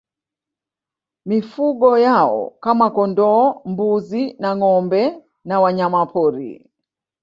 Mifugo yao kama kondoo mbuzi na ngoâmbe na wanyamapori